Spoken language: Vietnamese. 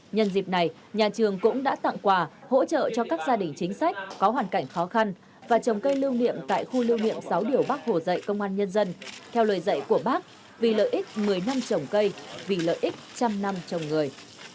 nhân dịp này nhà trường cũng đã tặng quà hỗ trợ cho các gia đình chính sách có hoàn cảnh khó khăn và trồng cây lưu niệm tại khu lưu niệm sáu điều bác hồ dạy công an nhân dân theo lời dạy của bác vì lợi ích một mươi năm trồng cây vì lợi ích trăm năm trồng người